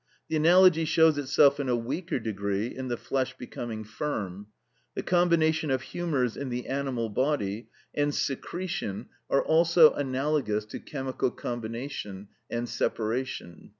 The analogy shows itself in a weaker degree in the flesh becoming firm. The combination of humours in the animal body and secretion are also analogous to chemical combination and separation.